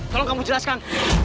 tolong kamu jelaskan